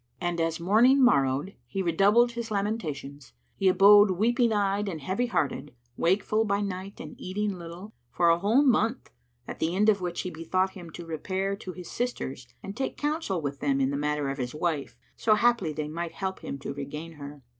And as morning morrowed he redoubled his lamentations. He abode weeping eyed and heavy hearted, wakeful by night and eating little, for a whole month, at the end of which he bethought him to repair to his sisters and take counsel with them in the matter of his wife, so haply they might help him to regain her.